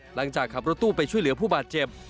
หลังจากขับรถตู้ไปช่วยเหลือผู้บาดเจ็บ